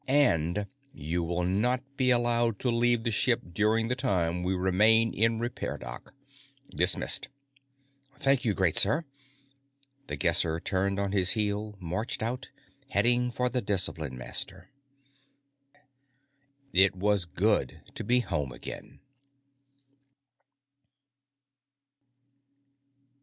And you will not be allowed to leave the ship during the time we remain in repair dock. Dismissed." "Thank you, great sir." The Guesser turned on his heel and marched out, heading for the Discipline Master. It was good to be home again.